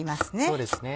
そうですね。